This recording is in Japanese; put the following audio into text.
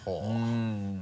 うん。